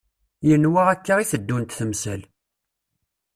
Yenwa akka i teddunt temsal.